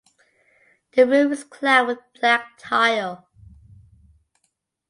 The roof is clad with black tile.